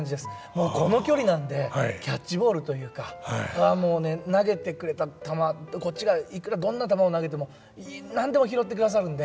もうこの距離なんでキャッチボールというかもうね投げてくれた球こっちがいくらどんな球を投げても何でも拾ってくださるんで。